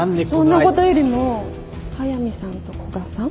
そんなことよりも速見さんと古賀さん